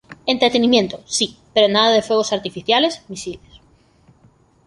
Entretenimiento, sí, pero nada de fuegos artificiales: misiles.